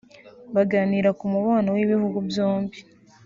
baganira ku mubano w’ibihugu byombi